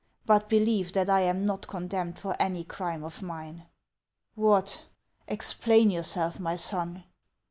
But believe that I am not con demned for any crime of mine." " What ? Explain yotirself, my son